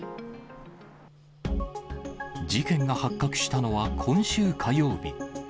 事件が発覚したのは今週火曜日。